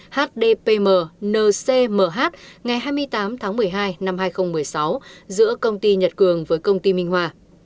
hdpm ncmh ngày hai mươi tám tháng một mươi hai năm hai nghìn một mươi sáu giữa công ty nhật cường với công ty minh hòa